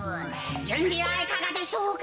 じゅんびはいかがでしょうか？